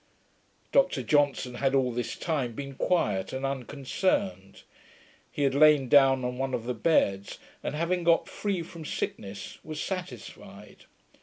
Dr Johnson had all this time been quiet and unconcerned. He had lain down on one of the beds, and having got free from sickness, was satisfied.